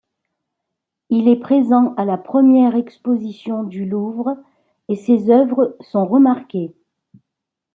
Il est présent à la première exposition du Louvre et ses œuvres sont remarquées.